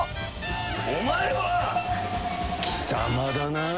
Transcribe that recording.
お前は貴様だな？